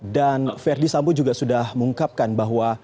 dan ferdi sambo juga sudah mengungkapkan bahwa